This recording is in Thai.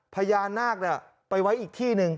พญานาคไปไว้อีกที่หนึ่ง